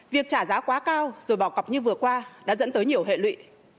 việc trả giá quá cao rồi bỏ cọc như vừa qua đã dẫn tới nhiều hệ lụy